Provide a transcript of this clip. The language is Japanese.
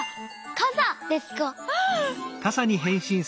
かさですか？